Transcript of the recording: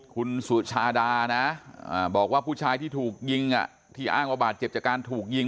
คุณสุชาดานะบอกว่าผู้ชายที่ถูกยิงที่อ้างว่าบาดเจ็บจากการถูกยิง